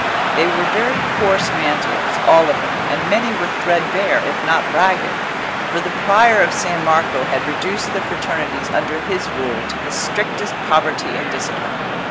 They were very coarse mantles, all of them, and many were threadbare, if not ragged; for the Prior of San Marco had reduced the fraternities under his rule to the strictest poverty and discipline.